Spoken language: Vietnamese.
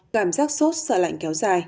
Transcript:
cảm giác sốt sợ lạnh kéo dài